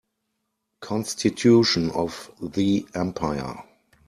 Constitution of the empire.